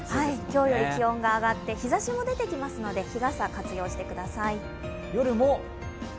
今日より気温が上がって日ざしも出てきますので日傘を活用してください。